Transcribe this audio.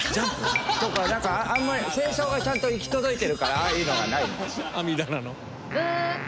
あんまり清掃がちゃんと行き届いてるからああいうのがない。